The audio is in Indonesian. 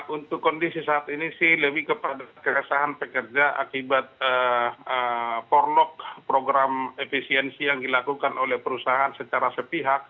untuk kondisi saat ini sih lebih kepada kekesahan pekerja akibat forlok program efisiensi yang dilakukan oleh perusahaan secara sepihak